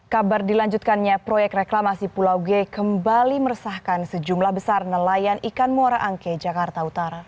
kabar dilanjutkannya proyek reklamasi pulau g kembali meresahkan sejumlah besar nelayan ikan muara angke jakarta utara